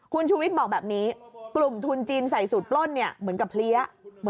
คุณชูวิทย์บอกแบบนี้กลุ่มทุนจีนใส่สูตรปล้นเนี่ยเหมือนกับเพลี้ย